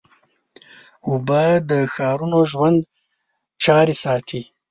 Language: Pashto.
اوبه د ښارونو ژوند جاري ساتي.